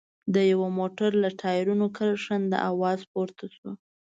د يوه موټر له ټايرونو کرښنده اواز پورته شو.